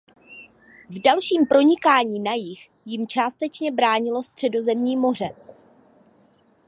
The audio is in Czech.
V dalším pronikání na jih jim částečně bránilo Středozemní moře.